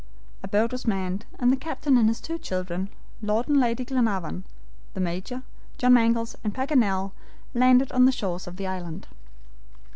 A boat was manned, and the Captain and his two children, Lord and Lady Glenarvan, the Major, John Mangles, and Paganel, landed on the shores of the island.